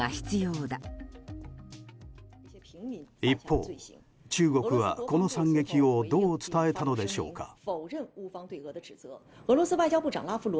一方、中国はこの惨劇をどう伝えたのでしょうか。